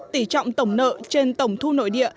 tỷ trọng tổng nợ trên tổng thu nội địa